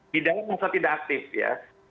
bidang masa tidak aktif ya